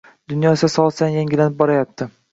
Dunyo esa soat sayin yangilanib borayapti